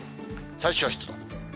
最小湿度。